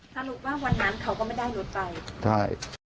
สรุปว่าวันนั้นเขาก็ไม่ได้รถไปใช่